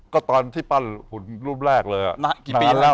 ก็ตอนที่ปั้นหุ่นรูปแรกเลยอะ